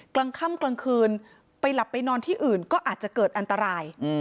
กลางค่ำกลางคืนไปหลับไปนอนที่อื่นก็อาจจะเกิดอันตราย